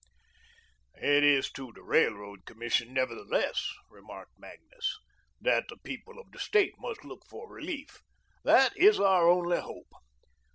"It is to the Railroad Commission, nevertheless," remarked Magnus, "that the people of the State must look for relief. That is our only hope.